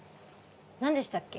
何でしたっけ？